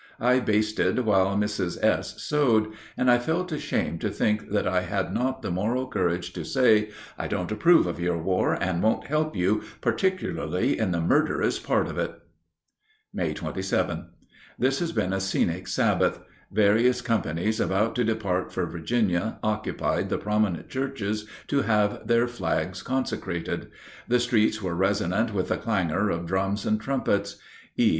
I basted while Mrs. S. sewed, and I felt ashamed to think that I had not the moral courage to say, "I don't approve of your war and won't help you, particularly in the murderous part of it." May 27. This has been a scenic Sabbath. Various companies about to depart for Virginia occupied the prominent churches to have their flags consecrated. The streets were resonant with the clangor of drums and trumpets. E.